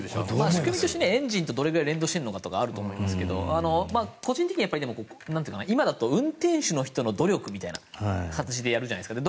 仕組みとしてエンジンとどれくらい連動しているのかとかあると思いますけど個人的には今だと運転手の人の努力っていう形でやるじゃないですか。